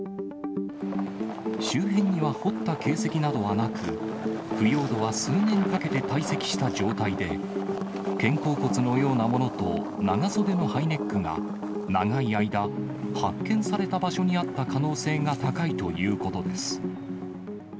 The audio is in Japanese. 周辺には掘った形跡などはなく、腐葉土は数年かけて堆積した状態で、肩甲骨のようなものと長袖のハイネックが長い間、発見された場所にあった可能性が高いということです。